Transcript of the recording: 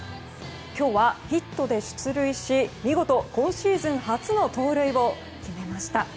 今日はヒットで出塁し見事、今シーズン初の盗塁を決めました。